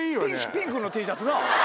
ピンクのＴシャツな。